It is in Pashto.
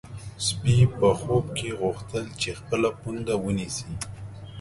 سپی په خوب کې غوښتل چې خپل پونده ونیسي.